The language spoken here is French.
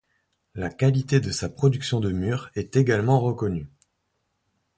La qualité de sa production de mûres est également reconnue.